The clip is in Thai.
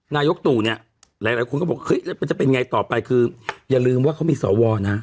นายกตู่เนี่ยหลายหลายคนก็บอกคือมันจะเป็นไงต่อไปคืออย่าลืมว่าเขามีสว